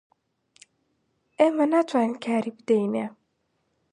ئێمە ناتوانین کاری بدەینێ